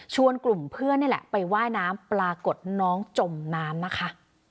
กลุ่มเพื่อนนี่แหละไปว่ายน้ำปรากฏน้องจมน้ำนะคะ